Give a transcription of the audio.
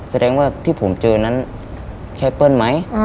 แสดงว่าที่ผมเจอนั้นใช่เปิ้ลไหม